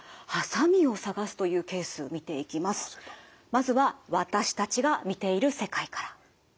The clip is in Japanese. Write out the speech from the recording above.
まずは私たちが見ている世界から。